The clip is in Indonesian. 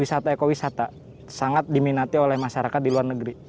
wisata ekowisata sangat diminati oleh masyarakat di luar negeri